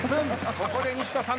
ここで西田さん